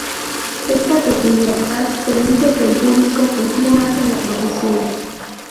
Esta peculiaridad permite que el público confíe más en la profesión.